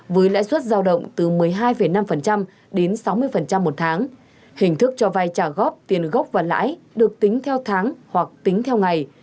với lãi suất giao động từ một mươi hai năm đến sáu mươi một tháng hình thức cho vay trả góp tiền gốc và lãi được tính theo tháng hoặc tính theo ngày